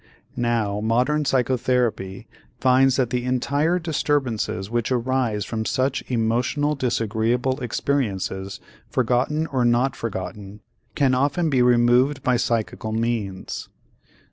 Now modern psychotherapy finds that the entire disturbances which arise from such emotional disagreeable experiences, forgotten or not forgotten, can often be removed by psychical means.